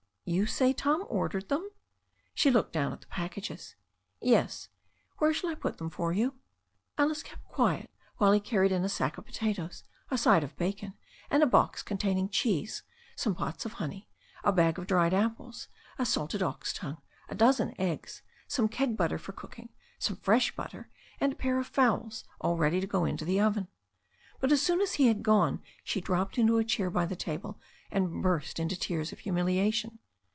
"You say Tom ordered them?" She looked down at the packages. "Yes. Where shall I put them for you?" Alice kept quiet while he carried in a sack of potatoes, a side of bacon, and a box containing a cheese, some pots of honey, a bag of dried apples, a salted ox tongue, a dozen eggs, some keg butter for cooking, some fresh butter, and a pair of fowls all ready to go into the oven. But as soon as he had gone she dropped into a chair by the table and burst into tears of htlmiliation.